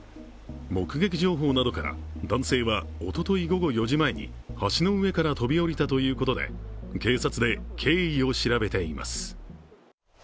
目撃情報などから、男性はおととい午後４時前に橋の上から飛び降りたということで、警察で経緯を調べています。